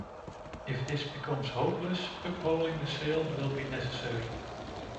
If this becomes hopeless uphauling the sail will be necessary.